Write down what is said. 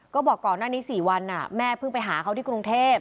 ก็บอกก่อนหน้านี้๔วันแม่เพิ่งไปหาเขาที่กรุงเทพ